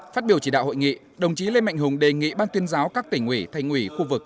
phát biểu chỉ đạo hội nghị đồng chí lê mạnh hùng đề nghị ban tuyên giáo các tỉnh ủy thành ủy khu vực